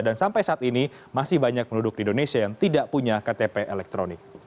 dan sampai saat ini masih banyak penduduk di indonesia yang tidak punya ktp elektronik